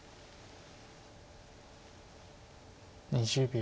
２０秒。